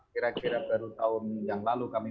kira kira baru tahun yang lalu kami